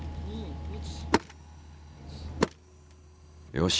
よし！